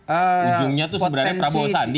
ujungnya itu sebenarnya prabowo sandi